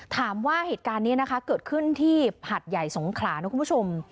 ถามว่าเหตุการณ์นี้นะคะเกิดขึ้นที่หัดใหญ่สงขลานะคุณผู้ชม